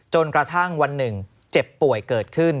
จนกระทั่งวันหนึ่งเจ็บป่วยเกิดขึ้น